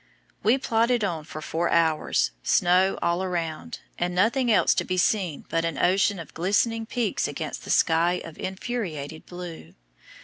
We plodded on for four hours, snow all round, and nothing else to be seen but an ocean of glistening peaks against that sky of infuriated blue.